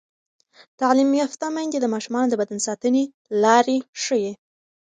تعلیم یافته میندې د ماشومانو د بدن ساتنې لارې ښيي.